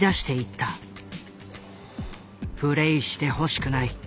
「プレイしてほしくない。